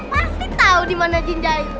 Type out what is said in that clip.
pasti tahu di mana jin jayu